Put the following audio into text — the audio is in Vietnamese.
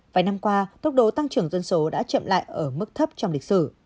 vài năm qua tốc độ tăng trưởng dân số đã chậm lại ở mức thấp trong lịch sử